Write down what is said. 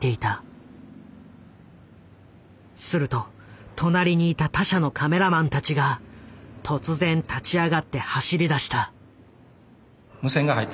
すると隣にいた他社のカメラマンたちが突然立ち上がって走りだした。